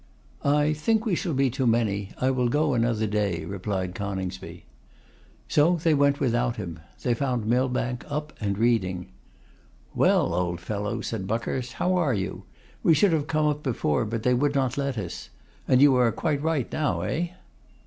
'I think we shall be too many. I will go another day,' replied Coningsby. So they went without him. They found Millbank up and reading. 'Well, old fellow,' said Buckhurst, 'how are you? We should have come up before, but they would not let us. And you are quite right now, eh?